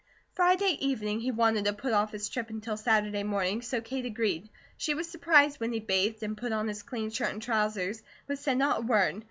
Friday evening he wanted to put off his trip until Saturday morning, so Kate agreed. She was surprised when he bathed and put on his clean shirt and trousers, but said not a word.